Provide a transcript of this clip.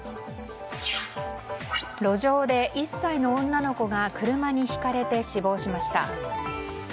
路上で１歳の女の子が車にひかれて死亡しました。